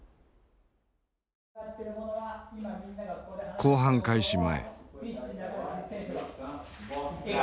後半開始前。